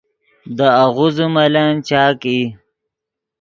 دے آغوزے ملن چاک ای